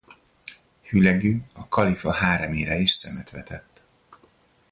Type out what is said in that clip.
Hülegü a kalifa háremére is szemet vetett.